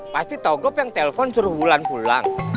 pasti togop yang telpon suruh bulan pulang